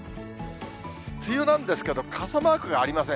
梅雨なんですけど、傘マークがありません。